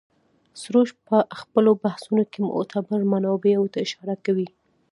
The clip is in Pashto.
سروش په خپلو بحثونو کې معتبرو منابعو ته اشاره کوي.